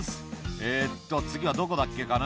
えっと、次はどこだっけかな？